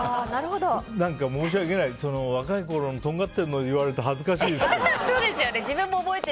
何か申し訳ないですけど若いころのとんがってるのを言われると恥ずかしいです。